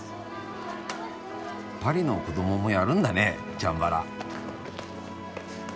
パリの子どももやるんだねチャンバラ。